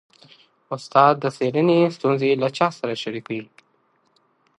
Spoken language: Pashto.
استاد د څيړني ستونزي له چا سره شریکوي؟